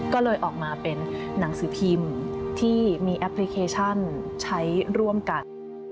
ก็เลยออกมาเป็นหนังสือพิมพ์ที่มีแอปพลิเคชันใช้ร่วมกัน